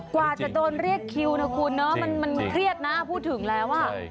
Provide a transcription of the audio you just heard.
กว่าจะโดนเรียกคิวนะคุณเนอะมันเครียดนะพูดถึงแล้วอ่ะ